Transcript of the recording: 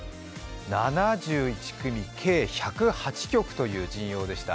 ７１組、計１０８曲という陣容でした。